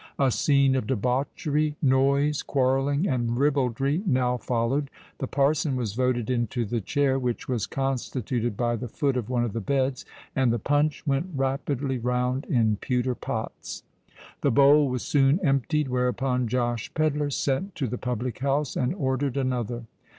A scene of debauchery—noise—quarrelling—and ribaldry now followed. The parson was voted into the chair, which was constituted by the foot of one of the beds; and the punch went rapidly round in pewter pots. The bowl was soon emptied; whereupon Josh Pedler sent to the public house and ordered another.